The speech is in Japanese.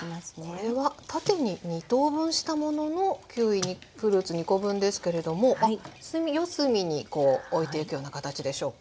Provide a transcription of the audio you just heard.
これは縦に２等分したもののキウイフルーツ２コ分ですけれども四隅においていくような形でしょうか。